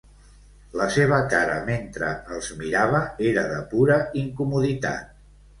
La seva cara, mentre els mirava, era de pura incomoditat.